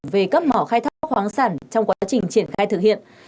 về cấp mỏ khai thác khoáng sản trong quá trình triển khai thực hiện